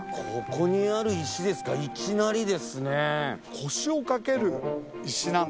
ここにある石ですかいきなりですね。